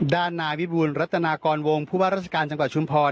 ด้านนายวิบูรณรัตนากรวงผู้ว่าราชการจังหวัดชุมพร